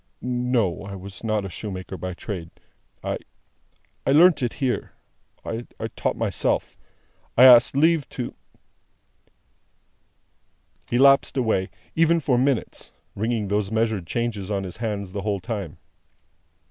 No, I was not a shoemaker by trade. I I learnt it here. I taught myself. I asked leave to " He lapsed away, even for minutes, ringing those measured changes on his hands the whole time.